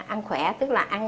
ăn khỏe tức là ăn tốt